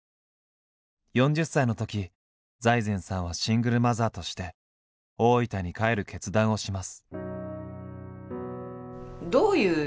４０歳のとき財前さんはシングルマザーとして大分に帰る決断をします。